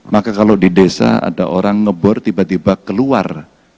maka kalau di desa ada orang ngebor tiba tiba keluar